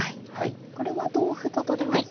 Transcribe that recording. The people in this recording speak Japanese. これは同歩と取りますと。